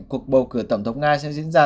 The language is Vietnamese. cuộc bầu cử tổng thống nga sẽ diễn ra